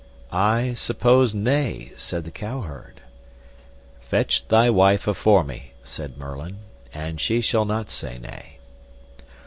I suppose nay, said the cowherd. Fetch thy wife afore me, said Merlin, and she shall not say nay.